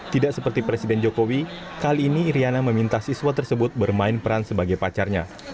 tidak seperti presiden jokowi kali ini iryana meminta siswa tersebut bermain peran sebagai pacarnya